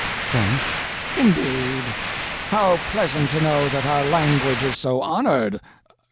"French." "In deed! How pleasant to know that our language is so honored!